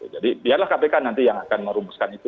jadi biarlah kpk nanti yang akan merumuskan itu